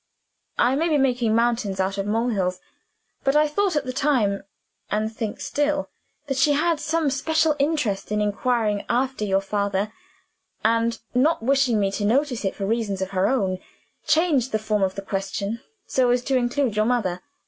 I may be making mountains out of molehills; but I thought at the time (and think still) that she had some special interest in inquiring after your father, and, not wishing me to notice it for reasons of her own, changed the form of the question so as to include your mother.